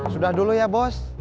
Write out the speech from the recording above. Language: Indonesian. sudah dulu ya bos